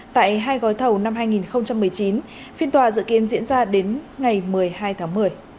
tại hai gói thầu năm hai nghìn một mươi chín phiên tòa dự kiến diễn ra đến ngày một mươi hai tháng một mươi